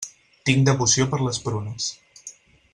Tinc devoció per les prunes.